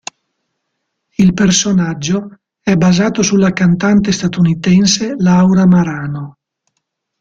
Il personaggio è basato sulla cantante statunitense Laura Marano.